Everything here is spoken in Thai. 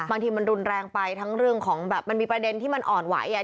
บางทีมันรุนแรงไปทั้งเรื่องของแบบมันมีประเด็นที่มันอ่อนไหว